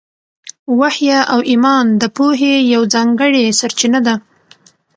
وحي او ایمان د پوهې یوه ځانګړې سرچینه ده.